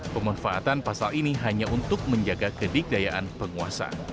pemanfaatan pasal ini hanya untuk menjaga kedikdayaan penguasa